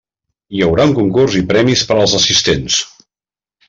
Hi haurà un concurs i premis per als assistents.